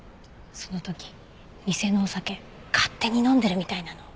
その時店のお酒勝手に飲んでるみたいなの。